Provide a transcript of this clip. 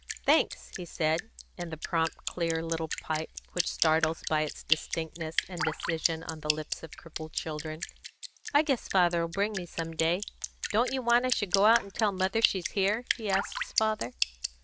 "Thanks!" he said, in the prompt, clear little pipe which startles by its distinctness and decision on the lips of crippled children. "I guess father'll bring me some day. Don't you want I should go out and tell mother she's here?" he asked his father.